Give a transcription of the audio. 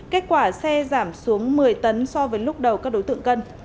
kết quả xe giảm xuống một mươi tấn so với lúc đầu các đối tượng cân